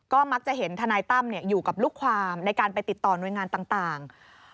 ก็มักจะเห็นทนายตั้มอยู่กับลูกความในการไปติดต่อหน่วยงานต่าง